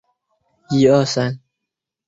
仙鹤藓为土马鬃科仙鹤藓属下的一个种。